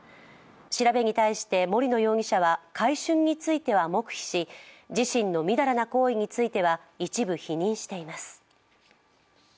調べに対して森野容疑者は買春については黙秘し自身のみだらな行為については一部否認しています。